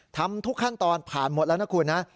ทำทุกขั้นตอนผ่านหมดแล้วนะคุณนะ